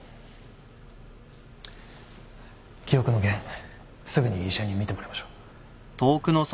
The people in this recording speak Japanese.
記憶の件すぐに医者に診てもらいましょう。